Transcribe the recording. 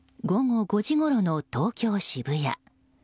午後５時ごろの東京・渋谷。